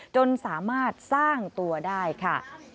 จนสามารถสร้างตัวได้ค่ะ